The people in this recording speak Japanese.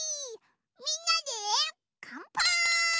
みんなでかんぱーい！